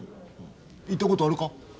行ったことあるか？